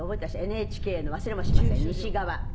ＮＨＫの忘れもしません西側。